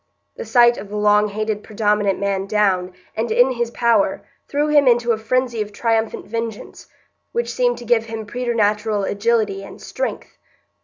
The sight of the long hated predominant man down, and in his power, threw him into a frenzy of triumphant vengeance, which seemed to give him preternatural agility and strength.